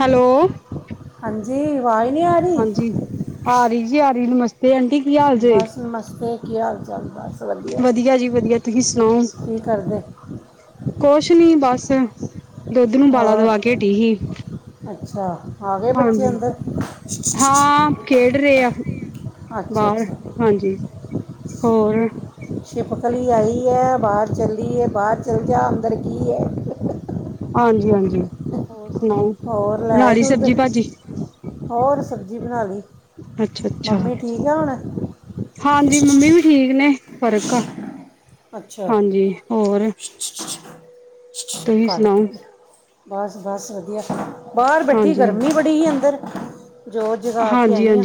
Hello ਹਾਂਜੀ ਆਵਾਜ਼ ਨਹੀਂ ਆ ਰਹੀ ਹਾਂਜੀ ਆ ਰਹੀ ਜੀ ਆ ਰਹੀ ਮਸ ਤੇ ਆਂਟੀ ਕੀ ਹਾਲ ਜ ਬਸ ਨਮਸਤੇ ਕੀ ਹਾਲ ਚਾਲ ਵਧੀਆ ਜੀ ਵਧੀਆ ਤੁਸੀਂ ਸੁਣਾਓ ਕੀ ਕਰਦੇ ਕੁਛ ਨੀ ਬਸ ਦੁੱਧ ਨੂੰ ਬਾਲਾ ਹੋਰ ਦਵਾ ਕੇ ਹਟੀ ਸੀ ਅੱਛਾ ਆ ਗਏ ਬੱਚੇ ਹਾਂਜੀ ਅੰਦਰ ਹਾਂ ਖੇਡ ਰਹੇ ਆ ਅੱਛਾ ਬਾਹਰ ਅੱਛਾ ਹਾਂਜੀ ਹੋਰ ਿਪਖਲੀ ਆਈ ਹੈ ਬਾਹਰ ਚੱਲਏ ਬਾਹਰ ਚੱਲ ਜਾ ਅੰਦਰ ਕੀ ਹੈ ਹਾਂਜੀ ਹਾਂਜੀ ਹੋ ਸੁਣਾਓ ਹੋਰ ਲੈ ਆਏ ਪਰਾਲੀ ਦੁੱਧ ਸਬਜ਼ੀ ਭਾਜੀ ਹੋਰ ਸਬਜ਼ੀ ਬਣਾ ਲਈ ਅੱਛਾ ਅੱਛਾ ਮੰਮੀ ਠੀਕ ਆ ਹੁਣ ਹਾਂਜੀ ਮੰਮੀ ਵੀ ਠੀਕ ਨੇ ਫ਼ਰਕ ਆ ਅੱਛਾ ਹਾਂਜੀ ਹੋਰ [unintelligible] ਤੁਸੀਂ ਕੱਢਤੀ ਸੁਣਾਓ ਬਸ ਬਸ ਵਧੀਆ ਖ ਬਾਹਰ ਬੈਠੀ ਹਾਂਜੀ ਹਾਂਜੀ ਗਰਮੀ ਬੜੀ ਅੰਦਰ ਜ਼ੋਰ ਜਗਾਾ ਕੇ ਆਈ ਹਆਂ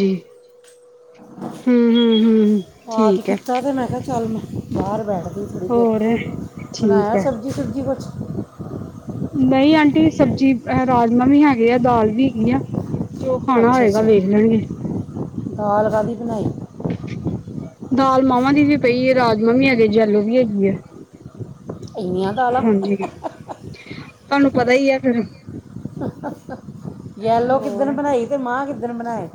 ਹਾਂ ਹਮ ਹਮ ਹਮ ਪਾਠ ਕੀਤਾ ਤੇ ਮੈਂ ਕਿਹਾ ਚੱਲ ਮੈਂ ਘਾਹਰ ਬੈਠਦੇ ਥੋੜੀ ਦੇਰ ਹੋਰ ਠੀਕ ਬਣਾਇਆ ਹੈ ਸਬਜ਼ੀ ਸੁਬਜ਼ੀ ਕੁਛ ਨਹੀਂ ਆਂਟੀ ਸਬਜ਼ੀ ਰਾਜਮਾਂ ਵੀ ਹੈਗੇ ਆ ਦਾਲ ਵੀ ਹੈਗੀ ਆ ਜੋ ਖਾਣਾ ਅੱਛਾ ਹੋਏਗਾ ਅੱਛਾ ਵੇਖ ਲੈਣਗੇ ਦਾਲ ਕਾਹਧਦੀ ਬਣਾਈ ਦਾਲ ਮਾਵਾਂ ਦੀ ਵੀ ਪਈ ਹੈ ਰਾਜਮਾਂ ਵੀ ਹੈਗੇ ਜੈਲੋ ਵੀ ਹੈਗੀ ਆ ਇੀਆਂ ਦਾਲਾਂ ਹਾਂਜੀ ਤੁਹਾਨੂੰ ਪਤਾ ਹੀ ਆ ਫਿਰ ਯਲੋ ਕਿੱਦਣ ਹੋਰ ਬਣਾਈ ਤੇ ਮਾਂ ਕਿੱ ਮਸਰ ਬਣਾਏ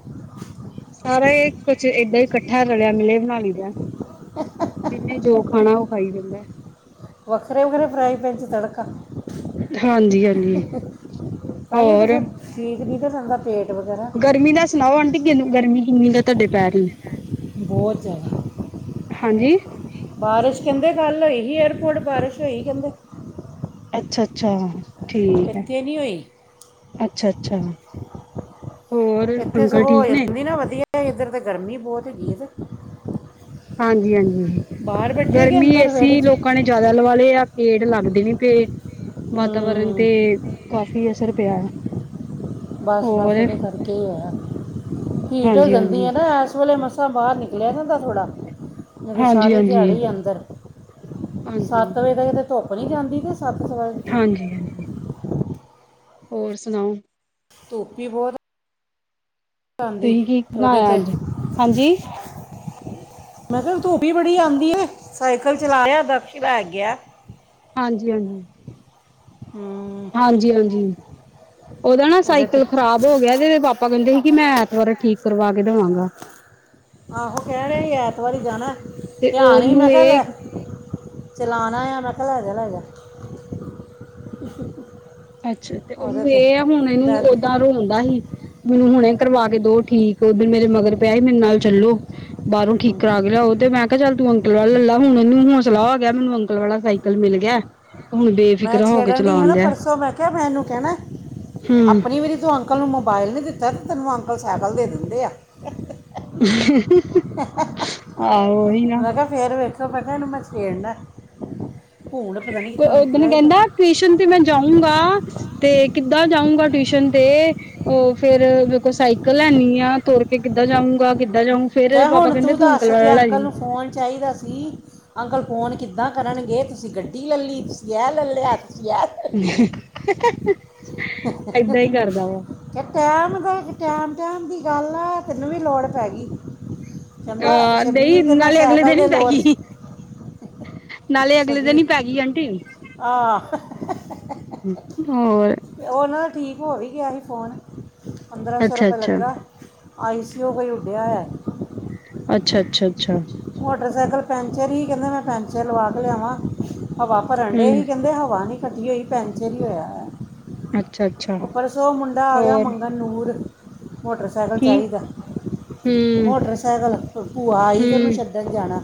ਸਾਰਾ ਇਹ ਕੁਛ ਏਦਾਂ ਹੀ ਇਕੱਠਾ ਰਲਿਆ ਮੇਲੇ ਬਣਾ ਲਈਦਾ ਜਿੰਨੇ ਜੋ ਖਾਣਾ ਉਹ ਖਾਈ ਦਿੰਦਾ ਵੱਖਰੇ ਵੱਖਰੇ ਫਰਾਾਈ ਪੈ ਸੀ ਤੜਕਾ ਹਾਂਜੀ ਹਾਂਜੀ ਤਾਂ ਹੀ ਤਾਂ ਹੋਰ ਫਿਰ ਠੀਕ ਨਹੀਂ ਤਾਂ ਚੰਗਾ ਪੇਟ ਵਗੈਰਾ ਗਰਮੀ ਦਾ ਸੁਣਾਓ ਆਂਟੀ ਕਿਨੂੰ ਗਰਮੀ ਮੀ ਦਾ ਤੁਹਾਡੇ ਪੈਰ ਹੀ ਬਹੁਤ ਜਿਆਦਾ ਹਾਂਜੀ ਬਾਰਿਸ਼ ਕਹਿੰਦੇ ਕੱਲ ਹੋਈ ਸੀ ਏਅਰਪੋਰਟ ਬਾਰਿਸ਼ ਹੋ ਕਹਿੰਦੇ ਅੱਛਾ, ਅੱਛਾ। ਠੀਕ ਹੈ, ਇੱਥੇ ਨਹੀਂ ਹੋਈ ਅੱਛਾ। ਅੱਛਾ। ਹੋਰ ਇੱਥੇ ਅੰਕਲ ਸਗੋਂ ਹੋ ਠੀਕ ਨੇ। ਜਾਂਦੀ ਨਾ ਵਧੀਆ ਇੱਧਰ ਤਾਂ ਗਰਮੀ ਬਹੁਤ ਹੈਗੀ ਏ ਤੇ। ਹਾਂਜੀ, ਹਾਂਜੀ ਬਾਹਰ ਬੈਠੇ ਕਿ ਗਰਮੀ ਅੰਦਰ ਏਸੀ ਵਿਹੜੇ 'ਚ ਲੋਕਾਂ ਨੇ ਜ਼ਿਆਦਾ ਲਵਾ ਲਏ ਆ, ਪੇੜ ਲੱਗਦੇ ਨੀ ਪਏ, ਵਾਤਾਵਰਨ ਹੂੰ ਤੇ ਕਾਫ਼ੀ ਅਸਰ ਪਿਆ ਹੈ ਹੋਰ ਕੀ ਹੋਇਆ। ਹੀਟ ਹੋ ਹਾਂਜੀ ਜਾਂਦੀ ਏ ਹਾਂਜੀ ਨਾ ਐਸ ਵੇਲੇ ਮ ਉੱਥੋਂ ਬਾਹਰ ਨਿਕਲਿਆ ਨੀ ਹੁੰਦਾ ਥੋੜ੍ਹਾ ਇਹ ਤੇ ਹਾਂਜੀ ਸਾਰੀ ਹਾਂਜੀ ਦਿਹਾੜੀ ਅੰਦਰ ਹਾਂਜੀ ਸੱਤ ਵਜੇ ਤੱਕ ਤੇ ਧੁੱਪ ਨੀ ਜਾਂਦੀ ਤੇ ਵਜੇ ਹਾਂਜੀ, ਹਾਂਜੀ। ਹੋਰ ਸੁਣਾਓ। ਧੂਪ ਹੀ ਬਹੁਤ ਐ। ਤੁਸੀਂ ਕੀ ਉਹਦੇ ਬਣਾਇਆ ਤੇ ਅੱਜ, ਹਾਂਜੀ। ਮੈਂ ਕਿਹਾ ਧੁੱਪ ਹੀ ਬੜੀ ਆਂਦੀ ਏ। ਸਾਈਕਲ ਚਲਾਇਆ -ਦਕਸ਼ ਲੈ ਗਿਆ। ਹਾਂਜੀ, ਹਾਂਜੀ। ਹੂੰ ਹਾਂਜੀ, ਹਾਂਜੀ। ਉਹਦਾ ਨਾ ਉਹਦੇ ਤੇ ਸਾਈਕਲ ਖ਼ਰਾਬ ਹੋ ਗਿਆ ਤੇ ਇਦੇ ਪਾਪਾ ਕਹਿੰਦੇ ਸੀ। ਕਿ ਮੈਂ ਐਤਵਾਰ ਠੀਕ ਕਰਵਾ ਕੇ ਦੇਵਾਂਗਾ। ਆਹੋ ਕਹਿ ਰਹੇ ਐਤਵਾਰ ਹੀ ਜਾਨਾ ਤੇ ਉਹਨੂੰ ਇਹ ਚਲਾਣਾ ਆ ਮੈਂ ਕਿਹਾ ਲੈ ਜਾ, ਲੈ ਜਾ। ਅੱਛਾ ਤੇ ਉਹਦੇ ਉਹਨੂੰ ਇਹ ਆ, ਹੁਣ ਤੇ ਇਹਨੂੰ ਦਾਦੀ ਓਦਾਂ ਰੋਦਾ ਸੀ ਮੈਨੂੰ ਹੁਣੇ ਕਰਵਾ ਕੇ ਦੋ ਠੀਕ ਉਧਰ ਮੇਰੇ ਮਗਰ ਪਿਆ ਸੀ, ਮੇਰੇ ਨਾਲ ਚੱਲੋ ਬਾਹਰੋਂ ਠੀਕ ਕਰਾ ਕੇ ਲਿਆਓ ਤੇ ਮੈਂ ਕਿਹਾ ਚੱਲ ਤੂੰ ਅੰਕਲ ਵਾਲਾ ਲੈ ਲਾ ਹੁਣ ਉਹਨੂੰ ਹੌਸਲਾ ਹੋ ਗਿਆ ਮੈਨੂੰ ਅੰਕਲ ਵਾਲਾ ਸਾਈਕਲ ਮਿਲ ਗਿਆ। ਹੁਣ ਬੇਫਿਕਰਾਂ ਹੋ ਕੇ ਚਲਾਉਣ ਡਿਐ। ਤੇ ਮੈਂ ਕਿਹਾ ਮੈ ਏਨੂੰ ਕਹਿਣਾ, ਆਪਣੀ ਵਾਰੀ ਤੂੰ ਅੰਕਲ ਨੂੰ ਮੋਬਾਇਲ ਨਹੀਂ ਦਿੱਤਾ। ਤੈਨੂੰ ਅੰਕਲ ਸਾਈਕਲ ਦੇ ਦਿੰਦੇ ਆ। ਹ। ਨਾ ਮੈਂ ਕਿਹਾ ਫੇਰ ਵੇਖ ਖੋ ਪਤਾ ਮੈਂ ਏਨੂੰ ਛੇੜਨਾ ਭੂਣ ਪਤਾ ਨਹੀਂ ਕਿੱਥੋਂ ਓਦਨ ਨਿਕਲਿਆ ਇਹ ਤੇ ਕਹਿੰਦਾ ਟਿਊਸ਼ਨ ਤੇ ਮੈਂ ਜਾਊਂਗਾ। ਤੇ ਕਿੱਦਾਂ ਜਾਊਗਾ ਟਿਊਸ਼ਨ ਤੇ ਉਹ ਫੇਰ ਮੇਰੇ ਕੋਲ਼ ਸਾਈਕਲ ਹੈਨੀ ਆ, ਤੁਰ ਕੇ ਕਿੱਦਾਂ ਜਾਊਗਾ ਕਿ ਕਹਿ ਹੁਣ ਤੂੰ ਦੱਸ ਜੇ ਅੰਕਲ ਜੀ ਨੂੰ ਫੋਨ ਚਾਹੀਦਾ ਸੀ ਅੰਕਲ ਫੋਨ ਕਿੱਦਾਂ ਕਰਨਗੇ ਤੁਸੀਂ ਗੱਡੀ ਲੈ ਲਈ ਐ ਲੈ ਲਿਆ [unintelligible] ਏਦਾਂ ਹੀ ਕਰਦਾ ਵਾ ਟਾਈਮ [unintelligible] ਟਾਈਮ ਟਾਈਮ ਦੀ ਗੱਲ ਆ ਤੈਨੂੰ ਵੀ ਲੋੜ ਪੈ ਗਈ ਕਹਿੰਦਾ ਅਹ ਸ਼ਬੀਰ ਦਈ ਤੇ ਮੈਂ ਨਾਲੇ ਅਗਲੇ ਸਾਈਕਲ ਦਿਨ ਹੀ ਪੈ ਗਈ ਨਾਲੇ ਅਗਲੇ ਦਿਨ ਛੱਬੀ ਹੀ ਪੈ ਗਈ ਆਂਟੀ ਆ ਹੋਰ ਉਹਨਾਂ ਦਾ ਠੀਕ ਹੋ ਵੀ ਗਿਆ ਸੀ ਫੋਨ ਪੰਦਰਾਂ ਸੌ ਅੱਛਾ ਰੁਪਏ ਅੱਛਾ ਲੱਗਾ ਆਈਸਸੀਓ ਓਹੀਓ ਉੱਡਿਆ ਆ ਅੱਛਾ ਅੱਛਾ ਅੱਛਾ ਮੋਟਰਸਾਈਕਲ ਪੈਂਚਰ ਹੀ ਕਹਿੰਦੇ ਮੈਂ ਪੈਂਚਰ ਲਵਾ ਕੇ ਲਿਆਵਾਂ ਹਵਾ ਭਰਨ ਡੇ ਹਮ ਸੀ ਕਹਿੰਦੇ ਹਵਾ ਨੀ ਫੱਟੀ ਹੋਈ ਪੈਂਚਰ ਹੀ ਹੋਇਆ ਹੈ ਅੱਛਾ ਅੱਛਾ ਪਰਸੋਂ ਮੁੰਡਾ ਆ ਗਿਆ ਹੋਰ ਮੰਗਨ ਨੂਰ ਮੋਟਰ ਸੈਕਲ ਕੀ ਚਾਹੀਦਾ ਹਮ ਮੋਟਰ ਸੈਕਲ ਭੂਆ ਆਈ ਤੇ ਉਹਨੂੰ ਹਮ ਛੱਡਣ ਚਣਾਾ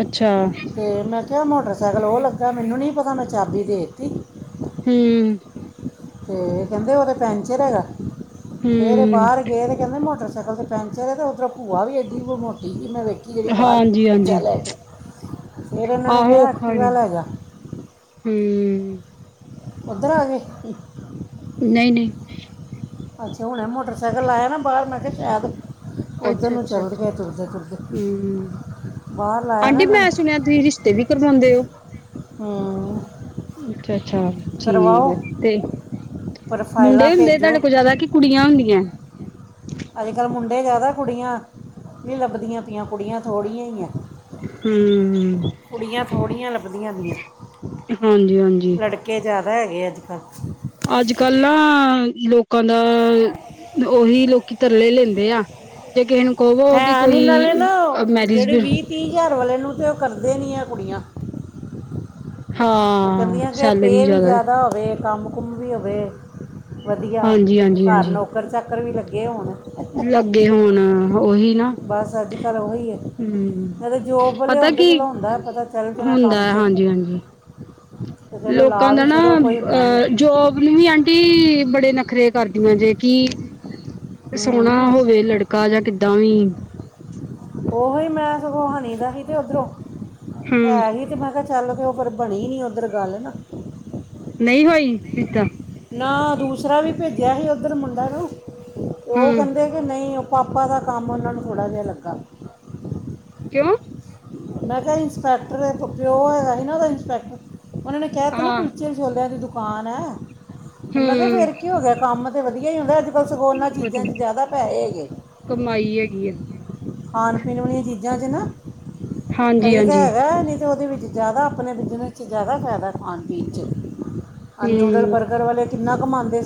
ਅੱਛਾ ਅਤੇ ਮੈਂ ਕਿਹਾ ਮੋਟਰਸਾਈਕਲ ਉਹ ਲੱਗਾ ਮੈਨੂੰ ਨਹੀਂ ਪਤਾ ਮੈਂ ਚਾਬੀ ਦੇ ਦਿੱਤੀ ਹਮ ਤੇ ਕਹਿੰਦੇ ਉਹ ਤੇ ਪੈਂਚਰ ਹੈਗਾ ਫੇਰੇ ਹਮ ਬਾਹਰ ਗਏ ਤੇ ਕਹਿੰਦੇ ਮੋਟਰ ਸਾਈਕਲ ਤੇ ਪੈਂਚਰ ਹੈ ਤੇ ਉਧਰ ਭੂਆ ਵੀ ਐਡੀ ਮੋਟੀ ਹੀ ਮੈ ਹਾਂ ਹਾਂਜੀ ਹਾਂਜੀ ਫਿਰ ਇਹਨਾਂ ਨੇ ਆਹੋ ਕਿਹਾ ਔਖਾ ਐਕਟਿਵਾ ਹਮ ਲੈ ਜਾ ਉੱਧਰ ਆ ਗਏ ਨਹੀਂ ਨਹੀਂ ਅੱਛਾ ਹੁਣ ਮੋਟਰਸਾਈਕਲ ਲਾਇਆ ਨਾ ਬਾਹਰ ਮੈਂ ਕਿਹਾ ਸ਼ਾਇਦ ਉਧਰ ਅੱਛਾ ਨੂੰ ਅੱਛਾ ਚੱਲ ਅੱਛਾ ਗਏ ਤੁਰਦੇ ਤੁਰਦੇ ਹਮ ਬਾਹਰ ਲਾਇਆ ਨਾ ਆਂਟੀ ਇਹਨਾਂ ਨੇ ਮੈਂ ਸੁਣਿਆ ਤੁਸੀਂ ਰਿਸ਼ਤੇ ਵੀ ਕਰਦੇ ਉਹ ਹਮ ਅੱਛਾ ਅੱਛਾ ਠੀਕ ਆ ਤੇ ਮੁੰਡੇ ਪ੍ਰੋਫਾਈਲਾਂ ਹੁੰਦੇ ਭੇਜੋ ਤੁਹਾਡੇ ਕੋਲ ਜਿਆਦਾ ਕਿ ਕੁੜੀਆਂ ਹੁੰਦੀਆਂ ਅਜ ਕਲ ਮੁੰ ਮੁੰਡੇ ਜ਼ਿਆਦਾ ਕੁੜੀਆਂ ਨਹੀਂ ਲੱਭਦੀਆਂ ਪਿਆ ਕੁੜੀਆਂ ਥੜ੍ਹੀਆਂ ਹੀ ਏ ਹਮ ਨਵੀਆਂ ਹਾਂਜੀ ਹਾਂਜੀ ਘਰੇ ਹੈ ਅਜ ਕਲ ਅੱਜ ਕੱਲ ਨਾ ਲੋਕਾਂ ਦਾ ਉਹੀ ਲੋਕੀ ਤਰਲੇ ਲੈਂਦੇ ਆ ਜੇ ਕਿਸੇ ਨੂੰ ਕਵੋ ਕਿ ਹੈ ਨੀ ਨਾਲੇ ਨਾ ਕੋਈ ਮੈਰਿਜ ਜਿਹੜੇ ਵੀ ਵੀਹ ਤੀਹ ਹਾਰ ਘਰ ਵਾਲੇ ਨੂੰ ਤਾਂ ਉਹ ਕਰਦੇ ਨਹੀਂ ਹੈ ਕੁੜੀਆਂ- ਉਹ ਹਾਂ, ਕਹਿੰਦੀਆਂ ਕਿ ਸੈਲਰੀ ਪੇ ਵੀ ਜ਼ਿਆਦਾ ਜਿਆਦਾ ਹੋਵੇ। ਕੰਮ ਕੁਮ ਵੀ ਹੋਵੇ ਵਧੀਆ। ਘਰ ਹਾਂਜੀ-ਹਾਂਜੀ-ਹਾਂਜੀ, ਨੌਕਰ ਚਾਕਰ ਚਾਕਰ ਵੀ ਲੱਗੇ ਹੋਣ ਲੱਗੇ ਹੋੁਣ ਉਹੀ ਨਾ। ਬਸ ਅੱਜ ਕੱਲ ਉਹੀ ਹੈ ਹਮ ਨਹੀਂ ਤਾਂ ਜੋਬ ਵਾਲੇ ਪਤਾ ਹੁੰਦੇ ਕੀ ਚਲੋ ਹੁੰਦਾ ਹੈ ਪਤਾ ਚੱਲ ਜਾਣਾ ਹੁੰਦਾ ਕੰਮ ਹੈ। ਤੇ ਹਾਂਜੀ-ਹਾਂਜੀ। ਤੇ ਚਲੋ ਲੋਕਾਂ ਲਾ ਦਾ ਵੀ ਨਾ ਛੜੋ ਕੋਈ ਹੁੰਦਾ ਨਹੀਂ ਅਹ ਜੋਬ ਨੂੰ ਵੀ ਆਂਟੀ ਬੜੇ ਨਖਰੇ ਕਰਦੀਆਂ ਜੇ ਕਿ ਸੋਹਣਾ ਹੂੰ ਹੋਵੇ ਲੜਕਾ ਜਾਂ ਕਿੱਦਾਂ ਵੀ ਓਹੀ ਮੈਂ ਸਗੋਂ ਹਨਣੀ ਦਾ ਹੀ ਤੇ ਉਓਧਰੋਂ ਹੂੰ ਹੈ ਇਹ ਤਾਂ ਮੈਂ ਕਿਹਾ ਚੱਲੋ ਪਰ ਬਣੀ ਨਹੀਂ ਉੱਧਰ ਗੱਲ ਨਾ ਨਹੀਂ ਹੋਈ ਰਿਤਾ ਨਾ ਦੂਸਰਾ ਵੀ ਭੇਜਿਆ ਸੀ ਉੱਧਰ ਮੁੰਡਾ ਨੂੰ ਉਹ ਹੂੰ ਕਹਿੰਦੇ ਕਿ ਨਹੀਂ ਪਾਪਾ ਦਾ ਕੰਮ ਉਹਨਾਂ ਨੂੰ ਥੋੜ੍ਹਾ ਜਿਹਾ ਲੱਗਾ। ਕਿਉਂ? ਮੈਂ ਕਿਹਾ ਇੰਸਪੈਕਟਰ ਪਿਓ ਹੈਗਾ ਸੀ ਨਾ ਉਹਦਾ ਇੰਸਪੈਕਟਰ ਉਹਨਾਂ ਨੇ ਕਿਹਾ ਤੇ ਨਾ ਹਾਂ ਕੁਲਚੀਆਂ ਛੋਲਿਆਂ ਦੀ ਦੁਕਾਨ ਆਣਾ ਮੈਂ ਕਿਹਾ ਹੂੰ ਫੇਰ ਕੀ ਹੋ ਗਿਆ ਕੰਮ ਵਧੀਆ ਹੀ ਹੁੰਦਾ ਬਸ ਹੋਰਨਾ ਚੀਜ਼ਾਂ 'ਚ ਵਧੀਆ ਜ਼ਿਆਦਾ ਪੈਹੇ ਹੈਗੇ ਨੇ ਕਮਾਈ ਹੈਗੀ ਆ ਜਿਨਾ ਦੇ ਨਾ ਹਾਂਜੀ ਕਹੀ ਤਾਂ ਹਾਂਜੀ ਹੈਗਾ ਨੀ ਅਤੇ ਉਹਦੇ ਵਿੱਚ ਜ਼ਿਆਦਾ ਆਪਣੇ ਬਿਜ਼ਨਸ 'ਚ ਜ਼ਿਆਦਾ ਫਾਇਦਾ ਖਾਣ ਪੀਣ ਚ ਨਿਊਡਲ ਬਰਗਰ ਵਾਲੇ ਕਿੰਨਾ ਕਮਾਂਦੇ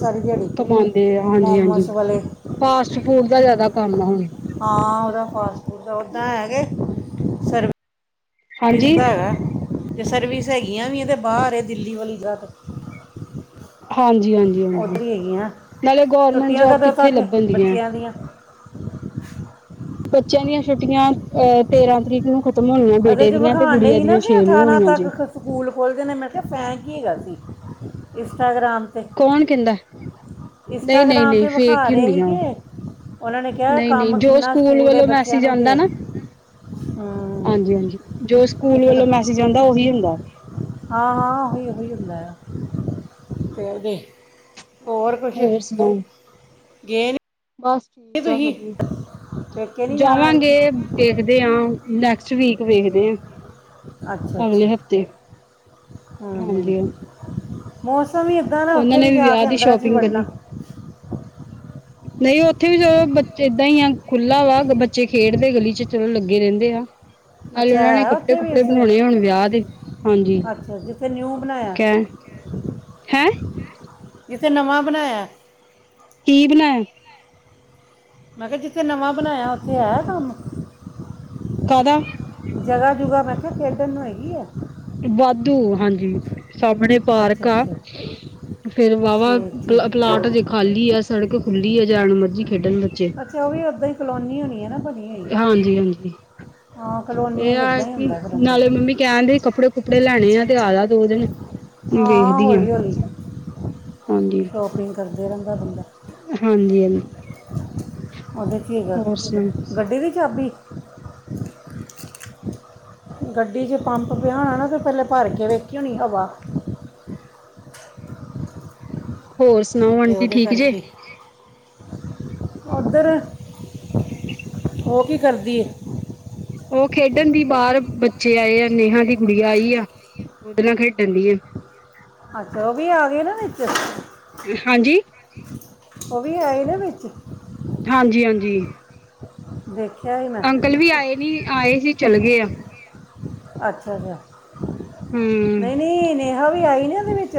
ਕਮਾਦੇ ਆ ਹਾਂਜੀ-ਹਾਂਜੀ ਵਾਲੇ ਫਾਸਟ ਫੂਡ ਦਾ ਜ਼ਿਆਦਾ ਕੰਮ ਹੁਣ ਹਾਂ ਉਹਦਾ ਫਾਸ ਓਦਾਂ ਹੈ ਕੇ ਸਰ ਹਾਂਜੀ ਪਿਸਦਾ ਹੈਗਾ ਤੇ ਸਰਵਿਸ ਹੈਗੀਆਂ ਵੀ ਹੈ ਤੇ ਬਾਹਰ ਦਿੱਲੀ ਵਾਲੀ ਘਤ ਹਾਂਜੀ ਹਾਂਜੀ ਨਾਲੇ ਗੋਰਮੈਂਟ ਛੁੱਟੀਆਂ ਜੋਬ ਕਦੋਂ ਕਿੱਥੇ ਤੱਕ ਹੈ ਲੱਭਣ ਦੀਆਂ। ਬੱਚਿਆਂ [inaudible] ਬੱਚਿਆਂ ਦੀਆਂ ਛੁੱਟੀਆਂ ਅਹ ਤੇਰਾਂ ਤਰੀਕ ਨੂੰ ਖ਼ਤਮ ਹੋਣੀਆਂ ਉਹਦੇ ਬੇਟੇ ਚ ਦੀਆਂ ਤੇ ਵਿਖਾਡੇ ਗੁੜੀਆਂ ਹੀ ਨਾ ਦੀਆਂ ਛੇ ਕਿ ਨੂੰ ਅਠਾਰਾਂ ਹੋਣੀਆਂ ਤੱਕ ਜੇ ਸਕੂਲ ਖੋਲਦੇ ਨੇ ਮੈਂ ਕਿਹਾ ਫੈਂਕ ਹਿ‌ ਹੈਗਾ ਸੀ। ਇੰਸਟਾਗ੍ਰਾਮ ਕੌਣ ਕਹਿੰਦਾ ਨਹੀਂ ਨਹੀਂ ਇੰਸਟਾਗ੍ਰਾਮ ਨਹੀਂ ਤੇ ਵਿਖਾ ਫੇਕ ਹੀ ਰਹੇ ਹੁੰਦੀਆਂ ਸੀਗੇ ਉਹਨਾਂ ਨੇ ਕਿਹਾ ਨਹੀਂ ਨਹੀਂ ਕੰਮ ਜੋ ਕਿੰਨਾ ਸਕੂਲ ਦੇ ਵੱਲੋਂ ਬੱਚਿਆਂ ਮੈਸੇਜ ਨੂੰ ਆਉਂਦਾ ਦੇ ਹੂੰ ਹਾਂ ਜੋ ਸਕੂਲ ਵਲੋਂ ਮੈਸੇਜ ਆਂਦਾ ਉਹੀ ਹੁੰਦਾ। ਹਾਂ-ਹਾਂ ਉਹੀ-ਉਹੀ ਹੁੰਦਾ ਆ ਤੇ ਬ ਹੋਰ ਸੁਣਾਓ ਗੇ ਨੀ ਬਸ ਠੀਕ ਆ ਵਧਿਆ ਪੇਕੇ ਨਹੀਂ ਜਾਣਾ ਹਰ ਜਾਵਾਂਗੇ ਕੀ ਦੇਖਦੇ ਹਾਂ ਨੈਕਸਟ ਵੀਕ। ਵੇਖਦੇ ਆ ਅੱਛਾ ਅਗਲੇ ਅੱਛਾ ਹਫ਼ਤੇ ਹਾਂਜੀ-ਹਾਂਜੀ! ਮੋਸ ਤਾਂਂ ਇੱਦਾਂ ਨਾ ਉਹਨਾਂ ਉੱਥੇ ਨੇ ਵੀ ਜਾ ਵਿਆਹ ਕੇ ਦੀ ਅੰਦਰਾਂ ਚ ਹੀ ਸ਼ੋਪਿੰਗ ਵੜ੍ਹਨਾ ਨਹੀਂ ਉੱਥੇ ਵੀ ਚਲੋ ਬ ਏਦਾਂ ਹੀ ਆ ਖੁੱਲ੍ਹਾ ਵਾ ਬੱਚੇ ਖੇਡਦੇ ਗਲੀ ਚ ਚਲੋ ਲੱਗੇ ਰਹਿੰਦੇ ਆ। ਨਾਲ ਅੱਛਾ ਉਹਨਾਂ ਨੇ ਹੈ ਕੱਪੜੇ ਉੱਥੇ ਵੀ ਇਸ ਕੁਪੜੇ ਤਰ੍ਹਾਂ ਹੀ? ਬਣਾਉਣੇ ਹੁਣ ਵਿਆਹ ਦੇ ਹਾਂਜੀ ਅੱਛਾ ਜਿੱਥੇ ਨਿਊ ਬਣਾਇਆ ਕਹਿ ਹੈਂ ਇਥੇ ਨਵਾਂ ਬਣਾਇਆ। ਕੀ ਬਣਾਯਾ? ਮੈਂ ਕਿਹਾ ਜਿੱਥੇ ਨਵਾਂ ਬਣਾਇਆ ਉੱਥੇ ਹੈ ਕੰਮ। ਕਾਦਾ? ਜਗ੍ਹਾ ਜੁਗਾ ਮੈਂ ਕਿਹਾ ਖੇਡਣ ਨੂੰ ਹੈਗੀ ਆ। ਵਾਧੂ ਹਾਂਜੀ। ਸਾਹਮਣੇ ਪਾਰਕ ਅੱਛਾ ਆ ਅੱਛਾ ਫੇਰ ਵਾਹਵਾ ਠੀਕ ਠੀਕ ਪਲਾਟ ਜੇ ਖਾਲੀ ਆ ਸੜਕ ਖੁੱਲੀ ਆ ਜਣ ਮਰਜੀੀ ਅੱਛਾ ਉਹ ਵੀ ਉੱਦਾਂ ਹੀ ਕਲੋਨੀ ਹੋਣੀ ਹੈ ਨਾ ਬੜੀੀਆਂ ਹੀ ਹਾਂਜੀ ਹਾਂਜੀ ਹਾਂ ਕਲੋਨੀਆਂ ਇਹ ਆ ਇਿੱਦਾਂ ਹੀ ਕਿ ਹੁੰਦਾ ਨਾਲੇ ਫਲੰਗਰ। ਮੰਮੀ ਕਹਿਣਦੇ ਕੱਪੜੇ ਲੈਣੇ ਆ ਤੇ ਆਦਾ ਦੋ ਦਿਨ। ਵੇਖਦੀ ਹਾਂ। ਹੌਲੀ ਹੌਲੀ ਸ਼ੋਪਿੰਗ ਕਰਦੇ ਰੰਦਾ ਬੰਦਾ ਹਾਂਜੀ ਹਾਂਜੀ ਹਾਂਜੀ ਉਹਦੇ ਕੀ ਕਰ ਹੋਰ ਸੁਣਾਓ ਗੱਡੀ ਦੀ ਚਾਬੀ ਗੱਡੀ ਚੇ ਪੰਪ ਪਿਆਾਣਾ ਨਾ ਤਾਂ? ਤੇ ਪੇਲਾ ਪਰਕੇ ਵੇਖੀ ਹੋਣੀ ਹਵਾ ਹੋਰ ਸੁਣਾਓ ਤੇ ਆਂਟੀ ਉਹਦੇ ਠੀਕ ਜੇ? ਕਰਕੇ ਉਧਰ ਉਹ ਕੀ ਕਰਦੀ? ਉਹ ਖੇਡਣ ਦੀ ਬਾਹਰ ਬੱਚੇ ਆਏ ਆ ਨੇਹਾਂ ਦੀ ਕੁੜੀ ਆਈ ਆ। ਉਹਦੇ ਨਾਲ ਖੇਡਣ ਦੀ ਆ। ਅੱਛਾ, ਉਹ ਵੀ ਆ ਗਏ ਨਾ ਵਿਚ? ਹਾਂਜੀ? ਉਹ ਵੀ ਹੈਏ ਨਾ ਵਿੱਚ? ਹਾਂਜੀ-ਹਾਂਜੀ, ਦੇਖਿਆ ਹੀ ਮੈਂ ਅੰਕਲ ਵੀ ਆਏ ਨੀ ਆਏ ਸੀ ਚੱਲ ਗਏ ਆ। ਅੱਛਾ-ਅੱਛਾ ਹੂੰ ਨਹੀਂ-ਨਹੀਂ ਨਹੀਂ ਠ ਵੀ ਆਈ ਨਾ ਉਹਦੇ ਵਿੱਚ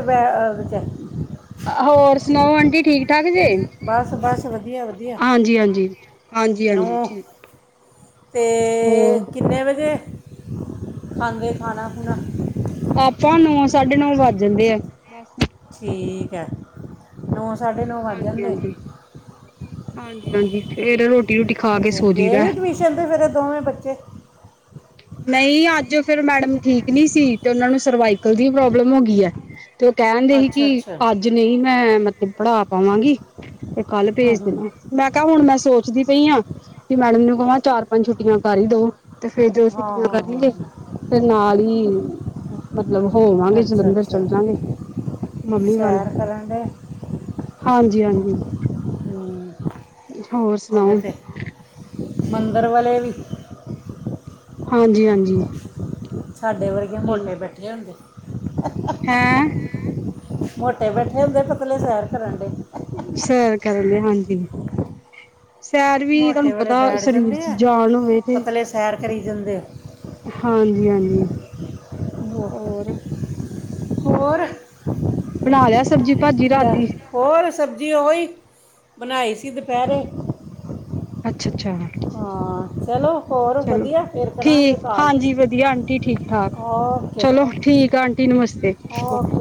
ਹੋਰ ਸੁਣਾਓ ਆਂਡੀ? ਠੀਕ? ਬਸ ਬਸ ਵਧੀਆ ਵਧੀਆ ਹਾਂਜੀ-ਹਾਂਜੀ ਹਾਂਜੀ-ਹਾਂਜੀ ਠੀਕ। ਅਤੇ, ਹੋਰ ਕਿੰਨੇ ਵਜੇ? ਹਾਂਗੇ ਖਾਣਾ ਪੀਣਾ? ਆਪਾਂ ਨੌ ਸਾਢੇ ਨੌ ਵੱਜ ਜਾਂਦੇ ਆ। ਠੀਕ ਹੈ ਹ ਹਾਂਜੀ-ਹਾਂਜੀ ਹਾਂਜੀ-ਹਾਂਜੀ ਫੇਿਰ ਰੋਟੀ ਰੋਟੀ ਖਾ ਕੇ ਅੱਛਾ, ਸੋਜੀ ਗਏ ਦਾ ਹੀ ਟਿਊਸ਼ਨ ਤੇ ਫਿਰ ਇਹ ਦੋਵੇਂ ਬੱਚੇ? ਨਹੀਂ, ਅੱਜ ਫਿਰ ਮੈਡਮ ਠੀਕ ੀ ਸੀ, ਤੇ ਉਹਨਾ ਨੂੰ ਸਰਵਾਈਕਲ ਦੀ ਪ੍ਰੋਬਲਮ ਹੋ ਗਈ ਹੈ ਤੇ ਉਹ ਕਹਿਣਦੇ ਸੀ ਅੱਛਾ ਕਿ ਅੱਛਾ ਅੱਜ ਨਹੀਂ ਮੈਂ ਮਤਲਬ ਪੜ੍ਹਾ ਪਾਵਾਂਗੀ, ਤੇ ਕੱਲ ਹੂੰ ਭੇਜ ਹੂੰ ਦੇਣਾ ਮੈਂ ਕਿਹਾ ਹੁਣ ਮੈਂ ਸੋਚਦੀ ਪਈ ਹਾਂ ਕਿ ਮੈਡਮ ਨੂੰ ਕਵਾਂ। ਚਾਰ-ਪੰਜ ਛੁੱਟੀਆਂ ਕਰ ਹੀ ਦੋ ਤੇ ਫੇਰ ਜੋ ਹਾਂ ਹਾਂ ਕਰਨਗੇ, ਹਾਂ ਫ ਨਾਲ ਹੀ ਮਤਲਬ ਹੋਵਾਂਗੇ ਅੱਛਾ ਜਲੰਧਰ ਅੱਛਾ ਚੱਲ ਜਾਾਂਗੇ ਮੰਮੀ ਵੱਲ ਸੈਰ ਕਰਨ ਦੇ ਹਾਂਜੀ-ਹਾਂਜੀ ਹੋਰ ਉਹਦੇ ਸੁਣਾਓ? ਤੇ ਮੰਦਰ ਵਾਲਲੇ ਵੀ?? ਹਾਂਜੀ-ਹਾਂਜੀ ਸਾਡੇ ਪਰ ਮੋਟੇ ਬੈਠੇ ਹੁੰਦੇ ਹੈਂ ਮੋਟੇ ਬੈਠੇ ਹੁੰਦੇ ਪਤਲੇ ਸੈਰ ਕਰਨ ਡ ਸਾਰੇ ਕਰ ਲਈ ਹਾਂਜੀ ਸੈਰ ਵੀ ਤੁਹਾਨੂੰ ਮੋਟੇ ਵਾਲੇ ਪਤਾ, ਬੈਠ ਸਰੀਰ ਜਾਂਦੇ ਚ ਆ ਜਾਲ ਹੋਵੇ ਤੇ ਪਤਲੇ ਸੈਰ ਕਰੀ ਦਿੰਦੇ ਹਾਂਜੀ ਹਾਂਜੀ ਹੋ- ਹੋਰ ਹੋਰ ਬਣਾ ਲਿਆ ਸਬਜ਼ੀ ਭਾਜੀ ਰਾਤ ਤਾਂ ਦੀ ਹੋਰ ਸਬਜ਼ੀ ਉਹ ਹੀ ਬਣਾਈ ਸੀ ਦੁਪਹਿਰੇ ਅੱਛਾ ਅੱਛਾ ਹਾਂ ਚਲੋ ਹੋਰ ਚਲੋ ਵਧੀਆ ਫਿਰ ਕਰਾਂਗੇ ਠੀਕ ਕਾਲ ਹਾਂਜੀ ਵਧੀਆ ਆਂਟੀ ਠੀਕ ਠਾਕ ਓਕੇ ਚਲੋ ਠੀਕ ਆ ਆਂਟੀ ਨਮਸਤੇ ਓਕੇ